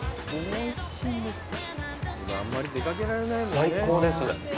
最高です！